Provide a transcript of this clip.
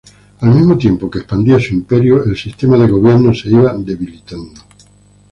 Al mismo tiempo que expandía su imperio el sistema de gobierno se iba debilitando.